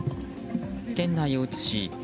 店内を映し